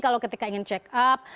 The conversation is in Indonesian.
kalau ketika ingin check up